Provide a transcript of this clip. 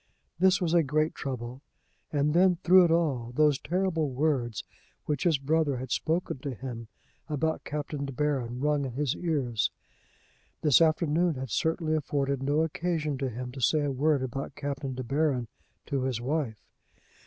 This was a great trouble. And then, through it all, those terrible words which his brother had spoken to him about Captain De Baron rung in his ears. This afternoon had certainly afforded no occasion to him to say a word about Captain De Baron to his wife.